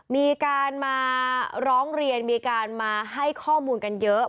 มีการมาร้องเรียนมีการมาให้ข้อมูลกันเยอะ